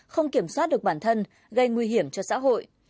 không kiểm soát được bản thân gây nguy hiểm cho xã hội